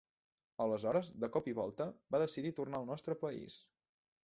Aleshores, de cop i volta, va decidir tornar al nostre país.